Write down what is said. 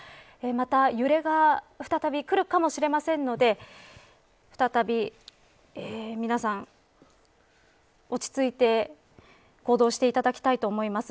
また揺れが再びくるかもしれませんので皆さん、落ち着いて行動していただきたいと思います。